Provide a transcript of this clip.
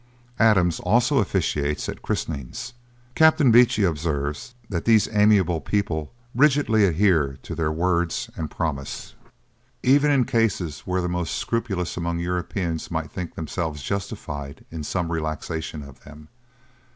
Adams also officiates at christenings. Captain Beechey observes, that these amiable people rigidly adhere to their word and promise, even in cases where the most scrupulous among Europeans might think themselves justified in some relaxation of them.